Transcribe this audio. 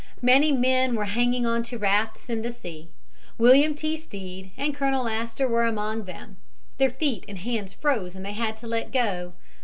"Many men were hanging on to rafts in the sea. William T. Stead and Colonel Astor were among them. Their feet and hands froze and they had to let go.